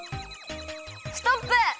ストップ！